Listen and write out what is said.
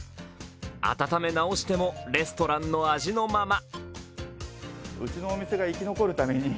温め直してもレストランの味のまま。